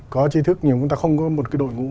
có chi thức nhưng mà chúng ta không có một đội ngũ